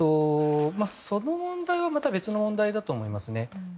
その問題はまた別の問題だと思いますね。